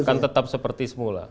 akan tetap seperti semula